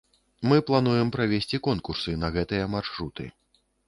Мы плануем правесці конкурсы на гэтыя маршруты.